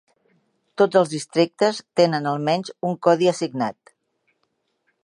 Tots els districtes tenen almenys un codi assignat.